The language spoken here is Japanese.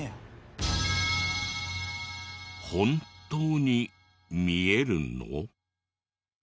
本当に見えるの？